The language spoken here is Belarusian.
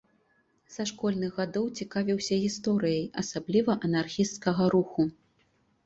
Са школьных гадоў цікавіўся гісторыяй, асабліва анархісцкага руху.